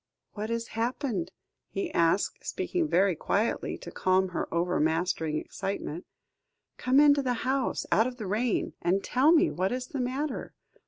"What has happened?" he asked, speaking very quietly, to calm her overmastering excitement; "come into the house out of the rain, and tell me what is the matter.